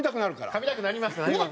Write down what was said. かみたくなります。